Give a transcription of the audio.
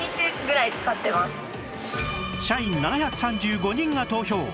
社員７３５人が投票！